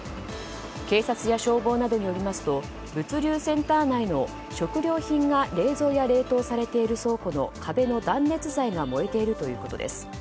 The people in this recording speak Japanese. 警察や消防などによりますと物流センター内の食料品が冷蔵や冷凍されている倉庫の壁の断熱材が燃えているということです。